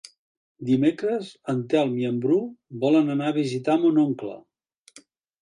Dimecres en Telm i en Bru volen anar a visitar mon oncle.